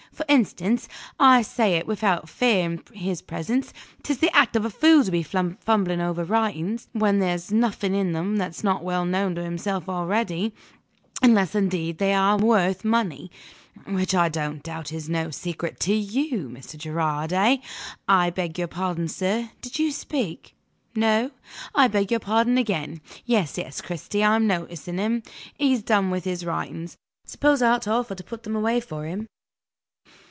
For instance, I say it without fear in his presence: 'tis the act of a fool to be fumbling over writings, when there's nothing in them that's not well known to himself already unless indeed they are worth money, which I don't doubt is no secret to you, Mr. Gerard? Eh? I beg your pardon, sir, did you speak? No? I beg your pardon again. Yes, yes, Cristy, I'm noticing him; he's done with his writings. Suppose I offer to put them away for him?